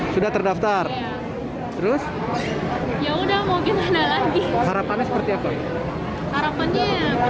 kami berhasil mengantri antrianya